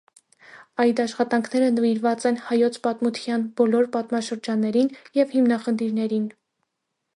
Այդ աշխատանքները նվիրված են հայոց պատմության բոլոր պատմաշրջաններին և հիմնախնդիրներին։